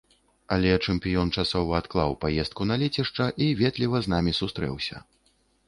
Але чэмпіён часова адклаў паездку на лецішча і ветліва з намі сустрэўся.